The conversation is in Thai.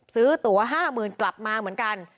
ซื้อตัว๕๐๐๐กลับมาเหมือนกัน